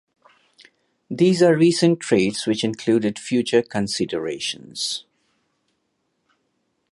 These are recent trades which included "future considerations".